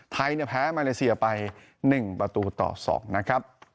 ไทยแพ้มาเลเซียไป๑ประตูต่อ๒นะครับ